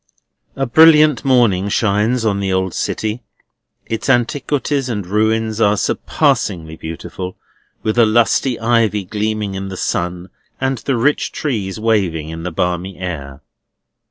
A brilliant morning shines on the old city. Its antiquities and ruins are surpassingly beautiful, with a lusty ivy gleaming in the sun, and the rich trees waving in the balmy air.